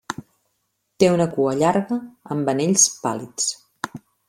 Té una cua llarga amb anells pàl·lids.